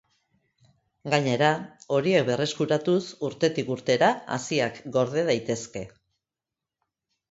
Gainera, horiek berreskuratuz urtetik urtera haziak gorde daitezke.